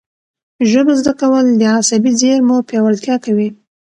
ژبه زده کول د عصبي زېرمو پیاوړتیا کوي.